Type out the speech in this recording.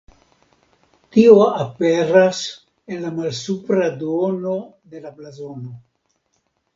Tio aperas en la malsupra duono de la blazono.